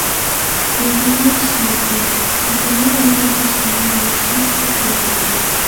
مۇنداقمۇ ئىش بار ئىكەن، پوكۈنى يەردە چاشقانلار مۈشۈكنى تۇتۇپ يەيدىكەن.